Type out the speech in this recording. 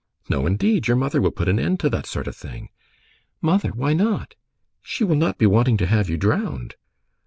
"No, indeed. Your mother will put an end to that sort of thing." "Mother! Why not?" "She will not be wanting to have you drowned."